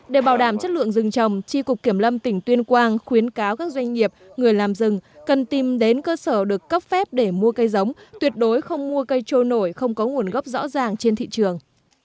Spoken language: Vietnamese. để bảo đảm chất lượng rừng trồng tri cục kiểm lâm tỉnh tuyên quang khuyến cáo các doanh nghiệp người làm rừng cần tìm đến cơ sở được cấp phép để mua cây giống tuyệt đối không mua cây trôi nổi không có nguồn gốc rõ ràng trên thị trường